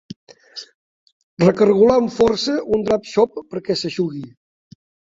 Recargolar amb força un drap xop perquè s'eixugui.